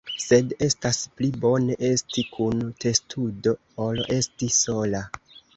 Sed estas pli bone esti kun testudo ol esti sola.